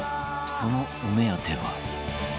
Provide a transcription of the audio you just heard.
そのお目当ては？